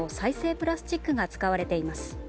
プラスチックが使われています。